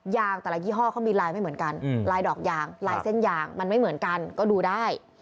ยางแต่ละยี่ห้อเขามีลายไม่เหมือนกันลายดอกยางลายเส้นยางมันไม่เหมือนกันก็ดูได้